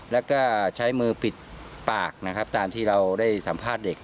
แล้วก็ใช้มือปิดปากนะครับตามที่เราได้สัมภาษณ์เด็ก